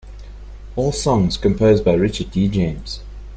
All songs composed by Richard D. James.